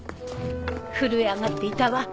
震え上がっていたわ。